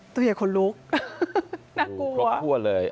ตัวใหญ่คนลุกน่ากลัวครบทั่วเลย